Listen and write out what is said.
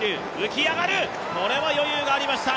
これは余裕がありました。